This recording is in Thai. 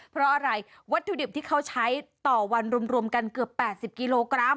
เพราะอะไรวัตถุดิบที่เขาใช้ต่อวันรวมกันเกือบ๘๐กิโลกรัม